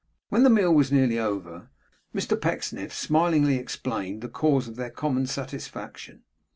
When the meal was nearly over, Mr Pecksniff smilingly explained the cause of their common satisfaction.